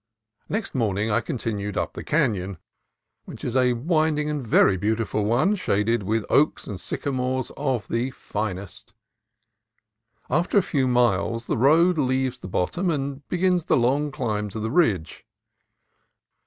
Next morning I continued up the canon, which is a winding and very beautiful one, shaded with oaks and sycamores of the finest. After a few miles the road leaves the bottom and begins the long climb to the ridge.